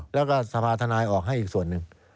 แล้วก็สภาธนายออกให้อีกส่วนหนึ่ง